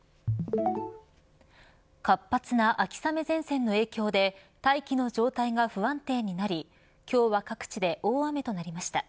活発な秋雨前線の影響で大気の状態が不安定になり今日は各地で大雨となりました。